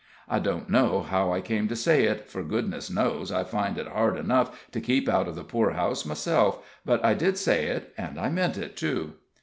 I don't know how I came to say it, for, goodness knows, I find it hard enough to keep out of the poorhouse myself, but I did say it, and I meant it, too.